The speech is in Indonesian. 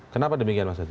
kenapa demikian mas hadi